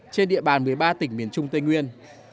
trên địa bàn một mươi ba tỉnh miền trung tây nguyên